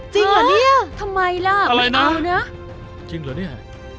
จริงเหรอเนี่ยอะไรนะทำไมล่ะไม่เอานะจริงเหรอเนี่ย